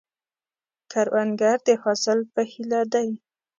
کروندګر د حاصل په هیله دی